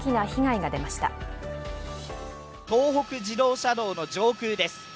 東北自動車道の上空です。